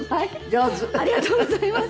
ありがとうございます。